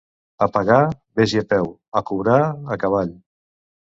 A pagar, ves-hi a peu; a cobrar, a cavall.